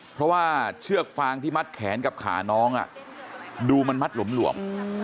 เพราะว่าเชือกฟางที่มัดแขนกับขาน้องดูมันมัดหลวม